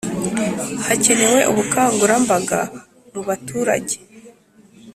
Hakenewe ubukangurambaga mu baturage